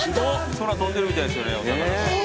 空飛んでるみたいですねお魚。